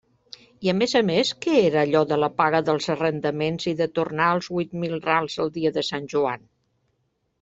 I a més a més, què era allò de la paga dels arrendaments i de tornar els huit mil rals el dia de Sant Joan?